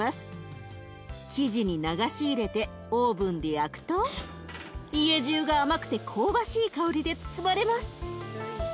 生地に流し入れてオーブンで焼くと家じゅうが甘くて香ばしい香りで包まれます。